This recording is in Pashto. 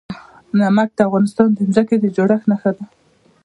نمک د افغانستان د ځمکې د جوړښت نښه ده.